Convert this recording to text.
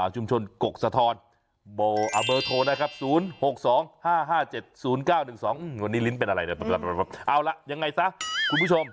ชุมชนกกสธรบริโธนนะครับ๐๖๒๕๕๗๐๙๑๒วันนี้ลิ้นเป็นอะไรเอาล่ะยังไงซะคุณผู้ชม